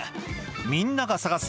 みんなが探す